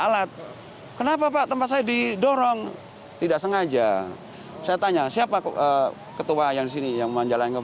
alat kenapa pak tempat saya didorong tidak sengaja saya tanya siapa ketua yang sini yang menjalankan